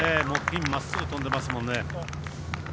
ピンまっすぐ飛んできてますもんね。